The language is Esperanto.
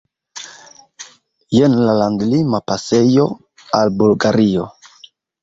Jen la landlima pasejo al Bulgario.